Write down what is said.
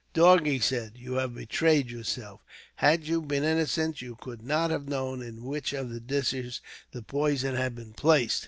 "Dog," he said, "you have betrayed yourself. Had you been innocent, you could not have known in which of the dishes the poison had been placed.